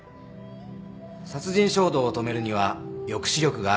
殺人衝動を止めるには抑止力があるかどうか。